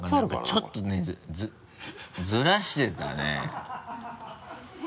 ちょっとねずらしてたね。